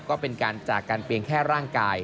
ก็เป็นการจากกันเพียงแค่ร่างกาย